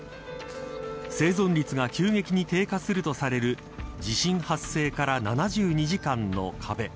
生存率が急激に低下するとされる地震発生から７２時間の壁。